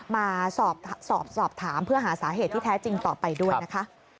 มาสอบถามเพื่อหาสาเหตุที่แท้จริงต่อไปด้วยนะคะ